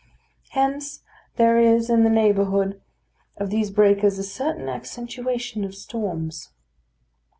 Hence there is in the neighbourhood of these breakers a certain accentuation of storms.